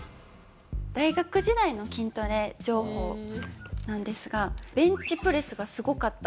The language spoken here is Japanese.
大学時代の筋トレ情報なんですが、ベンチプレスがすごかった。